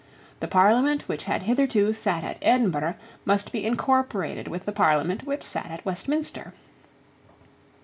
The Parliament which had hitherto sate at Edinburgh must be incorporated with the Parliament which sate at Westminster.